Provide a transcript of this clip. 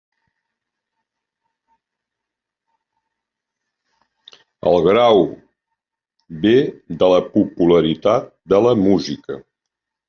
El grau ve de la popularitat de la música.